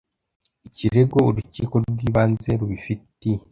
ikirego Urukiko rw Ibanze rubifitiye